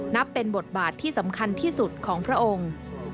นับเป็นบทบาทที่สำคัญที่สุดของพระองค์